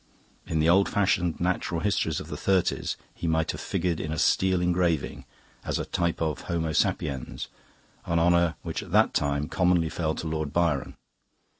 In the old fashioned natural histories of the 'thirties he might have figured in a steel engraving as a type of Homo Sapiens an honour which at that time commonly fell to Lord Byron.